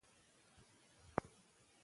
طب د علم په برخه کې ډیر مهم دی.